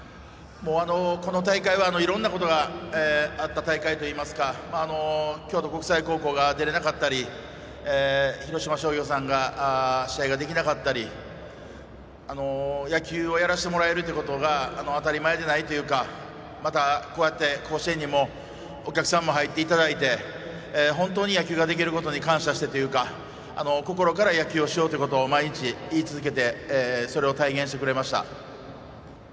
この大会はいろんなことがあった大会といいますか京都国際高校が出れなかったり広島商業さんが試合ができなかったり野球をやらせてもらえるということが当たり前じゃないというかまた、こうやって甲子園にもお客さんも入っていただいて本当に野球ができることに感謝してというか心から野球をしようということを毎日、言い続けてそれを体現してくれました。